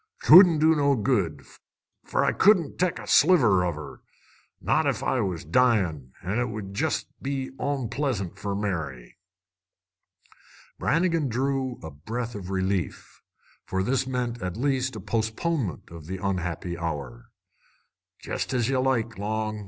'Twouldn't do good, fer I wouldn't tech a sliver of her, not ef I was dyin'. An' it would jest be on pleasant fer Mary." Brannigan drew a breath of relief, for this meant at least a postponement of the unhappy hour. "Jest as ye like, Long!"